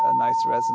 dan kemudian ke putih